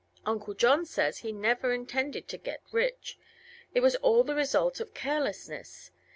Uncle John says that he never intended to "get rich"; it was all the result of carelessness.